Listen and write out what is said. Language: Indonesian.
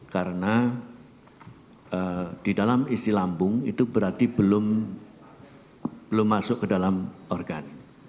karena di dalam isi lambung itu berarti belum masuk ke dalam organ